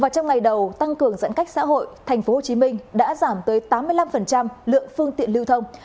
trong ngày đầu tăng cường giãn cách xã hội tp hcm đã giảm tới tám mươi năm lượng phương tiện lưu thông